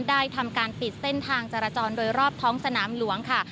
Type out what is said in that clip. ได้ทำการปิดเส้นทางจราจรโดยรอบท้องสนามหลวงค่ะ